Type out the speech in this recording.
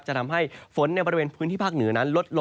ก็จะมีการแผ่ลงมาแตะบ้างนะครับ